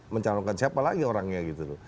mencalonkan siapa lagi orangnya gitu loh